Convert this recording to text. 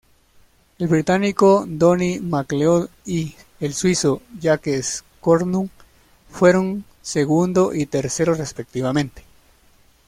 El británico Donnie McLeod y el suizo Jacques Cornu fueron segundo y tercero respectivamente.